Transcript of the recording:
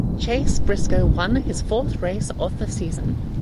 Chase Briscoe won his fourth race of the season.